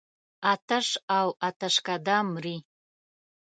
آتش او آتشکده مري.